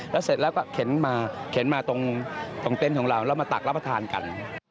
แล้วเสร็จแล้วก็เข็นมาตรงเต้นของเราเรามาตักเรามาทานกัน